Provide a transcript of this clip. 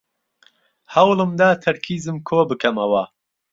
هەوڵم دا تەرکیزم کۆبکەمەوە.